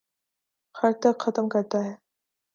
خر تک ختم کرتا ہے